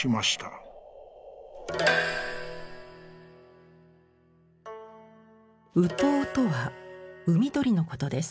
善知鳥とは海鳥のことです。